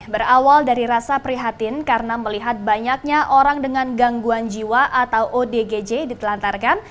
berawal dari rasa prihatin karena melihat banyaknya orang dengan gangguan jiwa atau odgj ditelantarkan